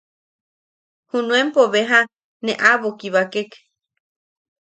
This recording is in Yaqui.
Junuenpo beja ne aʼabo kibakek.